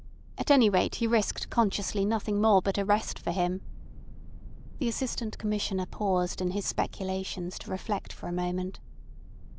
At any rate he risked consciously nothing more but arrest for him." The Assistant Commissioner paused in his speculations to reflect for a moment.